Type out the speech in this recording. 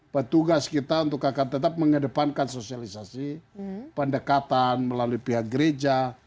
petugas kita untuk akan tetap mengedepankan sosialisasi pendekatan melalui pihak gereja